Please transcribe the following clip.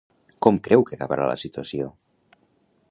Com creu que acabarà la situació?